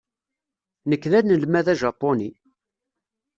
Nekk d anelmad ajapuni.